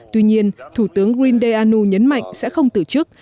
tuy nhiên thủ tướng greendeanu nhấn mạnh sẽ không từ chức